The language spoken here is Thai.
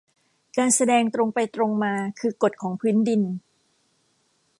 การแสดงตรงไปตรงมาคือกฎของพื้นดิน